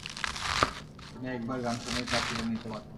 তিনি একবার গান শুনেই তা তুলে নিতে পারতেন।